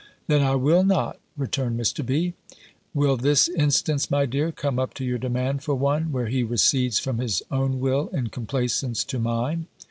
"Then I will not," returned Mr. B. Will this instance, my dear, come up to your demand for one, where he recedes from his own will, in complaisance to mine?